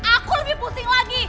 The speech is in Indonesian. aku lebih pusing lagi